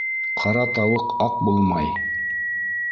Ҡара тауыҡ аҡ булма-ай.